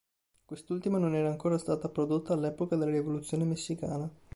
Quest'ultima non era ancora stata prodotta all'epoca della rivoluzione messicana.